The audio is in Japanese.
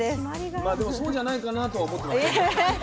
まあでもそうじゃないかなとは思ってたんですけどね。